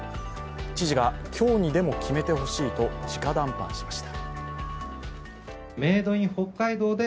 知事が、今日にでも決めてほしいと直談判しました。